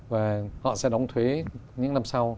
và họ sẽ đóng thuế những năm sau